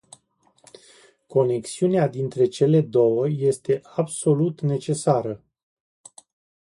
Conexiunea dintre cele două este absolut necesară.